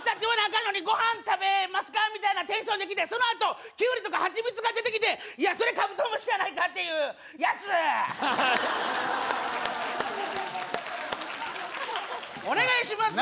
かんのにご飯食べますかみたいなテンションできてそのあとキュウリとかハチミツが出てきていやそれカブトムシやないかっていうやつお願いします